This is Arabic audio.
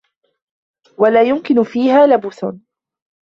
وَلَا يُمْكِنُ فِيهَا لُبْثٌ